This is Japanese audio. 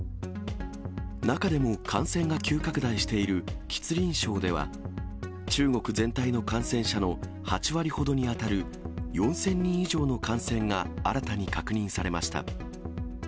中でも感染が急拡大している吉林省では、中国全体の感染者の８割ほどに当たる、４０００人以上の感染が新たに確認されました。